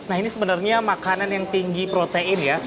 nah ini sebenarnya makanan yang tinggi protein ya